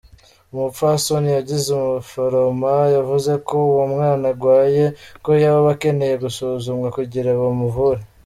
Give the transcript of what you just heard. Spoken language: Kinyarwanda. Umupfasoni yigize umuforoma yavuze ko uwo mwana agwaye ko yoba akeneye gusuzumwa kugira bamuvure.